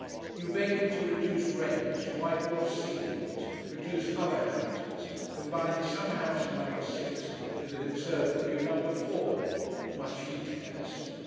You beg him to reduce rents, whitewash ceilings, produce other houses, combine the summer house of No. 6 with the conservatory of No. 4 much he cares!